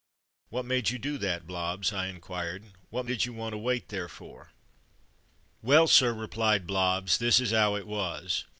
''What made you do that, Blobbs.?'' I inquired. "What did you want to wait there for?'' "Well, sir," replied Blobbs, "this is 'ow it was.